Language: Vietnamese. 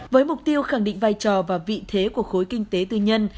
với mục tiêu khẳng định vai trò và vị thế của khối kinh tế tư nhân